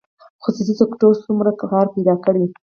خصوصي سکتور څومره کار پیدا کړی؟